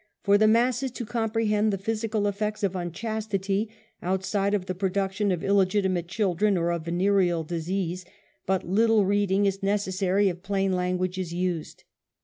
For the masses to comprehend th& physical effects of unchastity, outside of the produc tion of illegitimate children or of venereal diseases, but little reading is necessary if plain language is used.